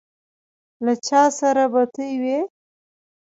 له چا سره بتۍ وې.